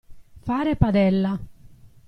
Fare padella.